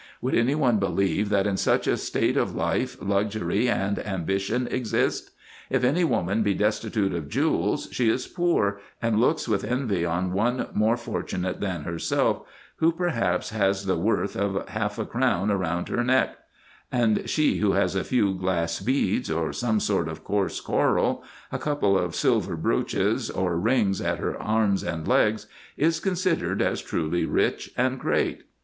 Would any one believe, that in such a state of life luxury and ambition exist ? If any woman be destitute of jewels, she is poor, and looks with envy on one more fortunate than herself, who perhaps has the IN EGYPT, NUBIA, fee. 183 worth of half a crown round her neck ; and she who has a few glass beads, or some sort of coarse coral, a couple of silver brooches, or rings at her arms and legs, is considered as truly rich and great.